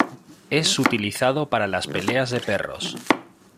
Es utilizado para las peleas de perros.